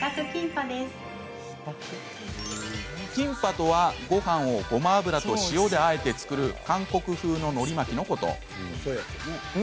キンパとは、ごはんをごま油と塩であえて作る韓国風の、のり巻きのこと。